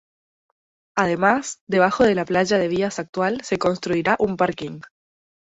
Además, debajo de la playa de vías actual se construirá un parking.